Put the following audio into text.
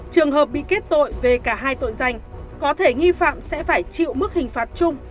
trường hợp bị kết tội về cả hai tội danh có thể nghi phạm sẽ phải chịu mức hình phạt chung